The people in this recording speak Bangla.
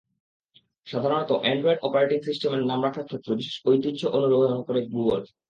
সাধারণত অ্যান্ড্রয়েড অপারেটিং সিস্টেমের নাম রাখার ক্ষেত্রে বিশেষ ঐতিহ্য অনুসরণ করে গুগল।